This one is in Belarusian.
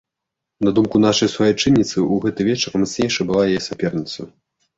На думку нашай суайчынніцы, у гэты вечар мацнейшай была яе саперніца.